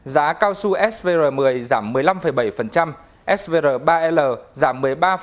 giá cao su svr một mươi giảm một mươi năm bảy svr ba l giảm một mươi ba